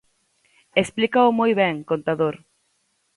Explícao moi ben Contador.